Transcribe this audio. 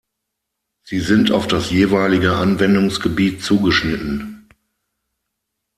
Sie sind auf das jeweilige Anwendungsgebiet zugeschnitten.